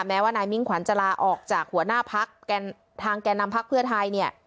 แม้ว่านายมิ้งขวัญจะลาออกจากหัวหน้าพักทางแก่นำพักเพื่อไทยเนี่ย